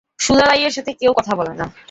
সুদালাইয়ের সাথে কেউ কথা বলে না।